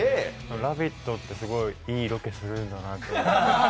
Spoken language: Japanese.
「ラヴィット！」ってすごいいいロケするんだなって。